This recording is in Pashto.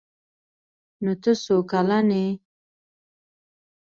_نوته څو کلن يې؟